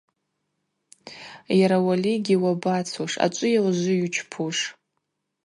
Йара Уалигьи, уабацуш, ачӏвыйа ужвы йучпуш?